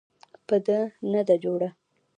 په ده نه ده جوړه.